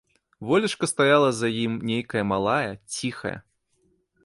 Волечка стаяла за ім нейкая малая, ціхая.